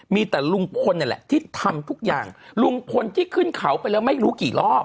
มีแต่ลุงพลนี่แหละที่ทำทุกอย่างลุงพลที่ขึ้นเขาไปแล้วไม่รู้กี่รอบ